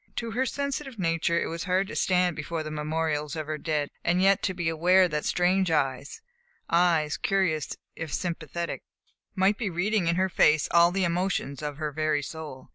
To her sensitive nature it was hard to stand before the memorials of her dead and yet to be aware that strange eyes, eyes curious if sympathetic, might be reading in her face all the emotions of her very soul.